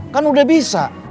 kan udah bisa